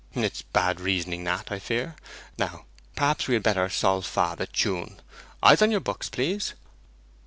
'It's bad reasoning, Nat, I fear. Now, perhaps we had better sol fa the tune. Eyes on your books, please.